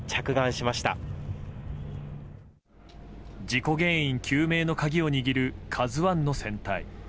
事故原因究明の鍵を握る「ＫＡＺＵ１」の船体。